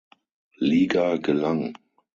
Liga gelang.